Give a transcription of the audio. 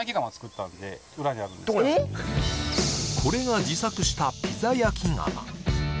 これが自作したピザ焼き窯